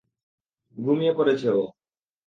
ঘুমিয়ে পড়েছে ও।